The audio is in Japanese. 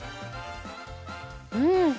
うん。